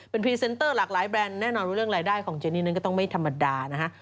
เป็นพรีเซนเตอร์หลากหลายแบรนด์แน่นอนว่าเรื่องรายได้ของเจนี่นั้นก็ต้องไม่ธรรมดานะฮะ